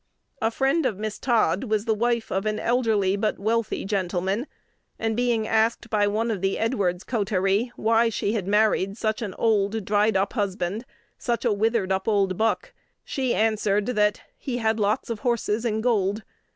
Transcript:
A friend of Miss Todd was the wife of an elderly but wealthy gentleman; and being asked by one of the Edwards coterie why she had married "such an old, dried up husband, such a withered up old buck," she answered that "He had lots of horses and gold."